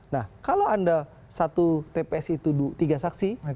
nah kalau anda satu tps itu tiga saksi